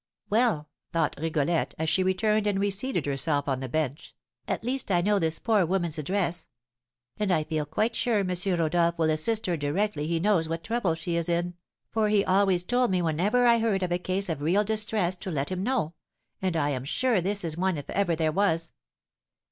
"Well," thought Rigolette, as she returned and reseated herself on the bench, "at least I know this poor woman's address; and I feel quite sure M. Rodolph will assist her directly he knows what trouble she is in, for he always told me whenever I heard of a case of real distress to let him know, and I am sure this is one if ever there was."